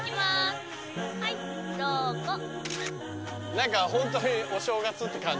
何かホントにお正月って感じ。